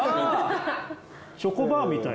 チョコバーみたい。